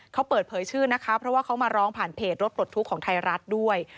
เขาเปิดเผยชื่อนะคะเพราะว่าเขามาร้องผ่านเพจรถปลดทุกข์ของไทยรัฐด้วย